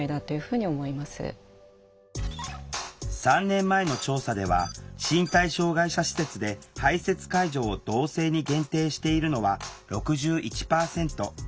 ３年前の調査では身体障害者施設で排せつ介助を同性に限定しているのは６１％。